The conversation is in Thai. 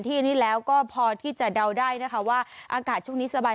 ที่นี่แล้วก็พอที่จะเดาได้นะคะว่าอากาศช่วงนี้สบาย